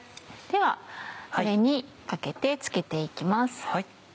では上にかけてつけて行きます。